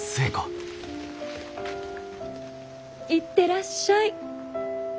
行ってらっしゃい。